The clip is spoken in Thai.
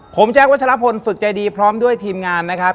ผมแจ๊ควัชลพลฝึกใจดีพร้อมด้วยทีมงานนะครับ